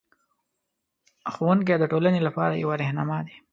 ښوونکی د ټولنې لپاره یو رهنما دی.